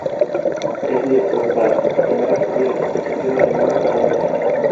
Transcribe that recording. Es director de Dark, la primera serie de fabricación alemana para Netflix.